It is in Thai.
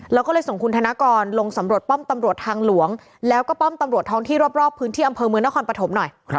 แล้วก็เลยส่งคุณธนกรลงสำรวจป้อมตำรวจทางหลวงแล้วก็ป้อมตำรวจท้องที่รอบพื้นที่อำเภอเมืองนครปฐมหน่อย